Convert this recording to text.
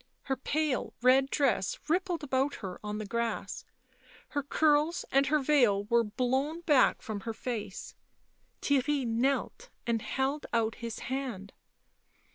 Her pale red dress rippled about her on the grass; her curls and her veil were blown back from her face ; Theirry knelt and held out his hand.